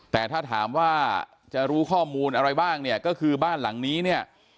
แต่ถ้าถามว่าจะรู้ข้อมูลอะไรบ้างเนี่ยก็คือบ้านหลังนี้เนี่ย